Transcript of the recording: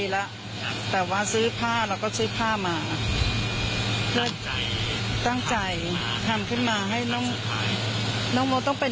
แล้วก็สร้อยคอสร้อยข้อมือต่างหูคือเอาให้สวยเลย